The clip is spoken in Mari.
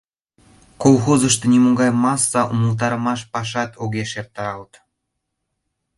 Колхозышто нимогай масса умылтарымаш пашат огеш эртаралт.